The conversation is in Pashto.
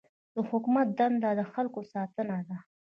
د حکومت دنده د خلکو ساتنه ده.